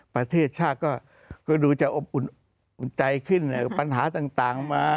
ประเทศชาติก็ดูจะอบอุ่นใจขึ้นปัญหาต่างมา